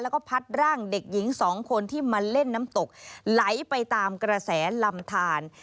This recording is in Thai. แล้วก็พัดร่างเด็กหญิงสองคนที่มาเล่นน้ำตกไหลไปตามกระแสลำทาน